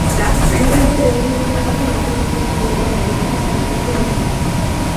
দুই ঘণ্টা রেল ভ্রমণের মধ্যে মাঠে কোন স্ত্রীলোক বা বালিকাকে কাজ করিতে দেখি নাই।